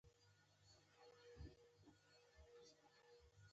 پښتو ژبه د علمي او تخنیکي ادبیاتو د نشتوالي له امله شاته پاتې ده.